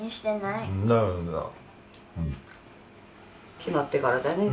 決まってからだね旬はね。